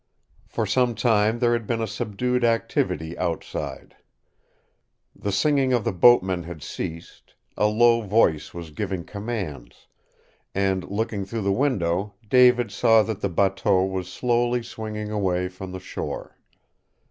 For some time there had been a subdued activity outside. The singing of the boatmen had ceased, a low voice was giving commands, and looking through the window, David saw that the bateau was slowly swinging away from the shore.